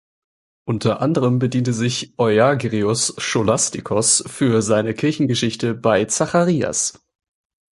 Unter anderen bediente sich Euagrios Scholastikos für seine Kirchengeschichte bei Zacharias.